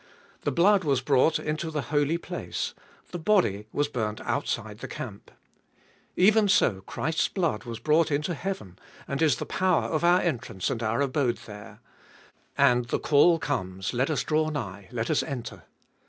The blood was brought into the Holy Place ; the body was burnt outside the camp. Even so Christ's blood was brought into heaven, and is the power of our entrance and our abode there : the sign that that is our place. And the call comes : Let us draw nigh, let us enter.